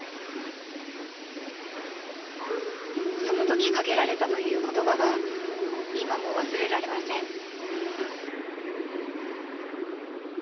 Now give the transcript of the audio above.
その時かけられたという言葉が今も忘れられません。